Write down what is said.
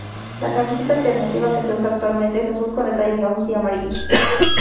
La camiseta alternativa que se usa actualmente es azul con detalles rojos y amarillos.